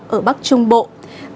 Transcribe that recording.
ở bắc trung bình